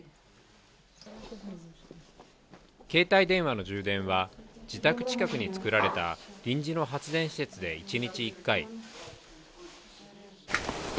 携帯電話の充電は自宅近くに作られた臨時の発電施設で一日１回。